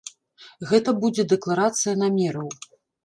Гэта будзе дэкларацыя намераў.